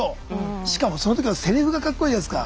しかもその時のセリフがかっこいいじゃないすか。